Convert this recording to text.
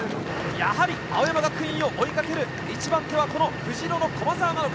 やはり青山学院を追いかける一番手はこの藤色の駒澤なのか。